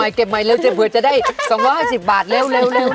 เก็บใหม่เร็วเจ็บเผื่อจะได้๒๕๐บาทเร็ว